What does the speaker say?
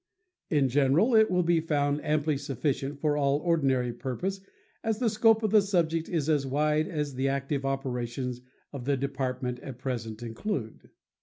In general it will be found amply sufficient for all ordinary purpose as the scope of subjects is as wide as the active operations of the Department at present include.